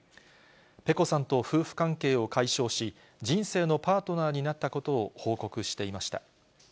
ぺこさんと夫婦関係を解消し、人生のパートナーになったことを報告していました。